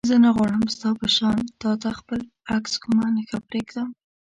زه نه غواړم ستا په شان تا ته خپل عکس کومه نښه پرېږدم.